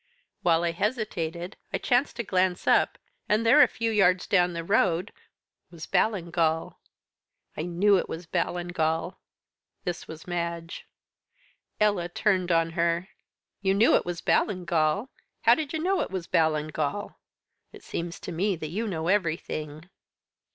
While I hesitated, I chanced to glance up, and there, a few yards down the road, was ... Ballingall." "I knew it was Ballingall." This was Madge. Ella turned on her. "You knew it was Ballingall? How did you know it was Ballingall? It seems to me that you know everything."